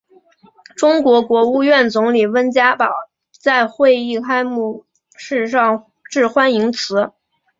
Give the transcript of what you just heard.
中国国务院总理温家宝在会议开幕式上致欢迎辞。